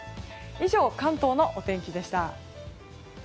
以上、関東のお天気でした。